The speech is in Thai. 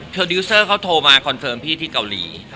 ดิวเซอร์เขาโทรมาคอนเฟิร์มพี่ที่เกาหลี